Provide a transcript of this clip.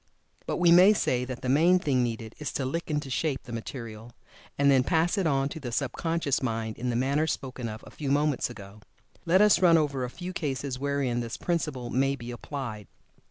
But we may say that the main thing needed is to "lick into shape" the material, and then pass it on to the sub conscious mind in the manner spoken of a few moments ago. Let us run over a few cases wherein this principle may be applied.